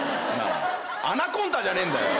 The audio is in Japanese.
アナコンダじゃねえんだよ。